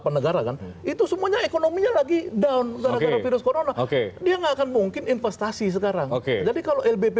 penegaraan itu semuanya ekonominya lagi down oke oke mungkin investasi sekarang oke jadi kalau lbp